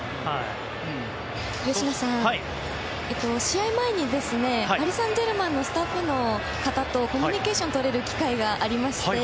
吉野さん、試合前にパリ・サンジェルマンのスタッフの方とコミュニケーションをとれる機会がありまして。